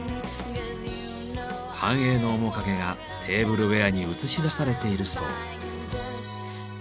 繁栄の面影がテーブルウエアに映し出されているそう。